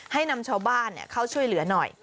ให้นำชาวบ้านเข้าช่วยเหลือหน่อย